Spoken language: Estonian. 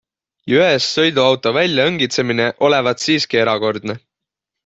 Jõest sõiduauto väljaõngitsemine olevat siiski erakordne.